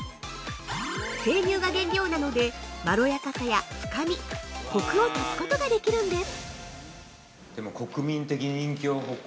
生乳が原料なのでまろやかさや深み、コクを足すことができるんです。